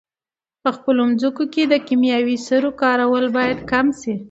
په خپلو مځکو کې د کیمیاوي سرو کارول باید کم شي.